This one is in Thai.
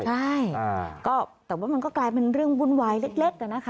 ใช่ก็แต่ว่ามันก็กลายเป็นเรื่องวุ่นวายเล็กนะคะ